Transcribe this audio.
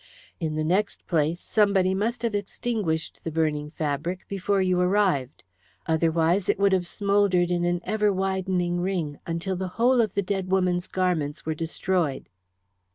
In the next place, somebody must have extinguished the burning fabric before you arrived, otherwise it would have smouldered in an ever widening ring until the whole of the dead woman's garments were destroyed."